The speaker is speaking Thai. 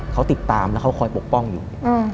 เขาติดตามแล้วเขาคอยปกป้องอยู่